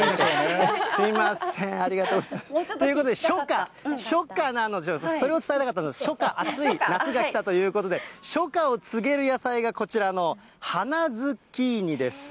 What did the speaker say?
すみません、ありがとうございます。ということでしょか、初夏の話です、それを伝えたかった、初夏、暑い夏が来たということで、初夏を告げる野菜がこちらの花ズッキーニです。